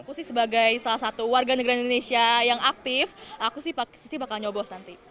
aku sih sebagai salah satu warga negara indonesia yang aktif aku sih sisi bakal nyobos nanti